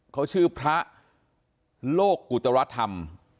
เขาชื่อพระโลกกุตรธรรม